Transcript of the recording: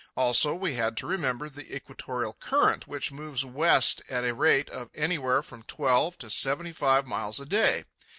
Also, we had to remember the equatorial current, which moves west at a rate of anywhere from twelve to seventy five miles a day.